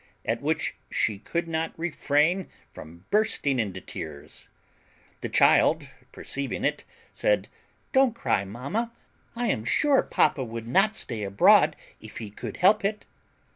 At which she could not refrain from bursting into tears. The child, perceiving it, said, "Don't cry, mamma; I am sure papa would not stay abroad if he could help it."